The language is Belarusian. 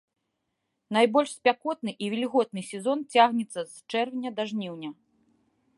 Найбольш спякотны і вільготны сезон цягнецца з чэрвеня да жніўня.